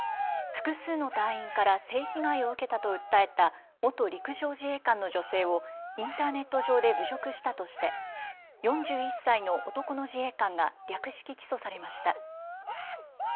複数の隊員から性被害を受けたと訴えた元陸上自衛官の女性をインターネット上で侮辱したとして４１歳の男の自衛官が略式起訴されました。